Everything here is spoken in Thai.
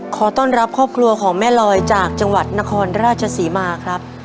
ขอต้อนรับครอบครัวของแม่ลอยจากจังหวัดนครราชศรีมาครับ